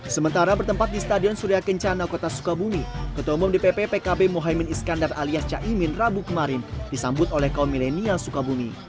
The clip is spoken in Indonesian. sementara bertempat di stadion surya kencana kota sukabumi ketua umum dpp pkb mohaimin iskandar alias caimin rabu kemarin disambut oleh kaum milenial sukabumi